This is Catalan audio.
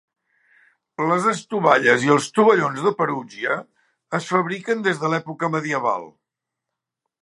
Les estovalles i els tovallons de Perugia es fabriquen des de l"època medieval.